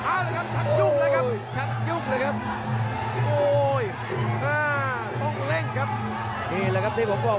ไปล่าสุดที่เสมอกับนักชกญี่ปุ่นอย่างโยเนดาเทศจินดาแต่ไปปลายแซงเกือบผ่านครับ